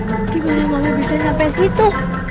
hah gimana mama bisa sampai situ